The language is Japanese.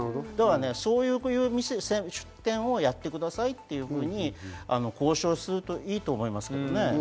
そういう出店をやってくださいというふうに交渉すると良いと思いますけどね。